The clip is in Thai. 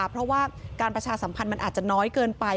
เพราะว่าการประชาสัมพันธ์มันอาจจะน้อยเกินไป